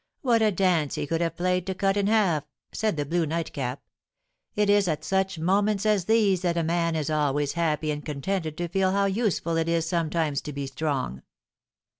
What a dance he could have played to Cut in Half!" said the blue nightcap; "it is at such moments as these that a man is always happy and contented to feel how useful it is sometimes to be strong."